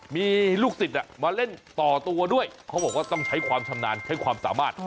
มีลูกศิษย์มาเล่นต่อตัวด้วยเขาบอกว่าต้องใช้ความชำนาญใช้ความสามารถ